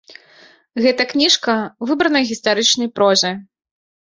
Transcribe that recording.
Гэта кніжка выбранай гістарычнай прозы.